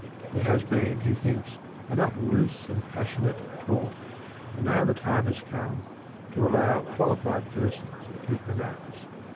There has been, he thinks, enough loose and pas sionate talk, and now the time has come "to allow qualified persons to pronounce."